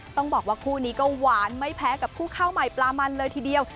ต้องบอกว่าคู่นี้ก็หวานไม่แพ้กับคู่ข้าวใหม่ปลามันเลยทีเดียว